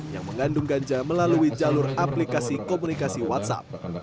yang mengandung ganja melalui jalur aplikasi komunikasi whatsapp